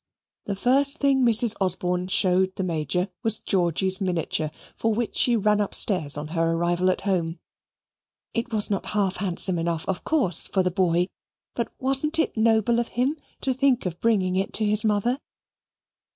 The first thing Mrs. Osborne showed the Major was Georgy's miniature, for which she ran upstairs on her arrival at home. It was not half handsome enough of course for the boy, but wasn't it noble of him to think of bringing it to his mother?